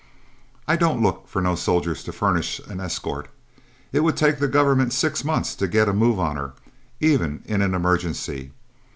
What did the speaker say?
I don't look for no soldiers to furnish an escort; it would take the government six months to get a move on her, even in an emergency.